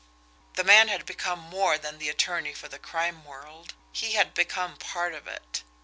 The man had become more than the attorney for the crime world he had become part of it.